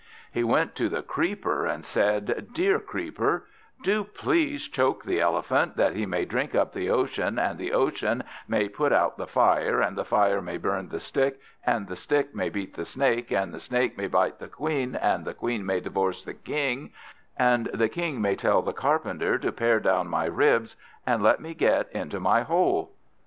He went to the Creeper, and said, "Dear Creeper, do please choke the Elephant, that he may drink up the Ocean, and the Ocean may put out the Fire, and the Fire may burn the Stick, and the Stick may beat the Snake, and the Snake may bite the Queen, and the Queen may divorce the King, and the King may tell the Carpenter to pare down my ribs, and let me get into my hole."